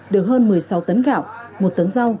được hơn một mươi sáu tấn gạo một tấn rau